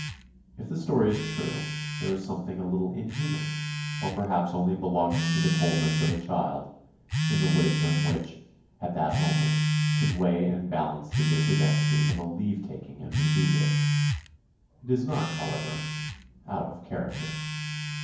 If the story is true, there is something a little inhuman or perhaps only belonging to the coldness of a child in the wisdom which, at that moment, could weigh and balance the disadvantages of a leave taking and refuse it. It is not, however, out of character.